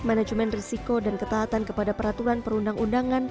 manajemen risiko dan ketahatan kepada peraturan perundang undangan